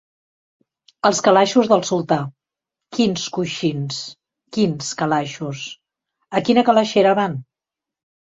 Els calaixos del sultà. Quins coixins! Quins calaixos! A quina calaixera van?